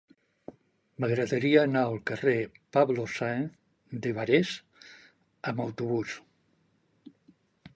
M'agradaria anar al carrer de Pablo Sáenz de Barés amb autobús.